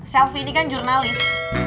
selfie ini kan jurnalis